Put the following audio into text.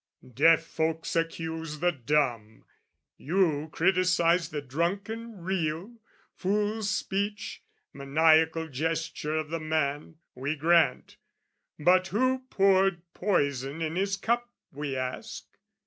Deaf folks accuse the dumb! You criticise the drunken reel, fool's speech, Maniacal gesture of the man, we grant! But who poured poison in his cup, we ask?